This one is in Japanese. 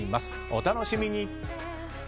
お楽しみに。